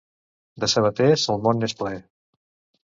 De sabaters, el món n'és ple.